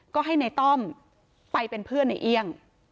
ก็ให้ในต้อมไปเป็นเพื่อนในเอี่ยง